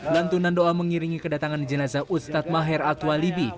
lantunan doa mengiringi kedatangan jenazah ustadz maher atwalibi